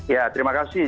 ya terima kasih